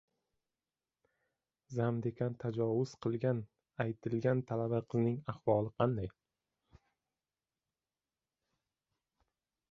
“Zamdekan” tajovuz qilgani aytilgan talaba qizning ahvoli qanday?